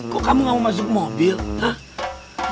kok kamu gak mau masuk mobil ah